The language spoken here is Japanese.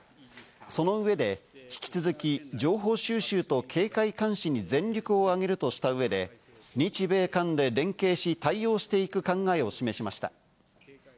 その上で、引き続き情報収集と警戒監視に全力をあげるとした上で日米韓で連携し、対応していく考えを示しました。